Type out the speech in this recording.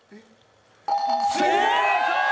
正解！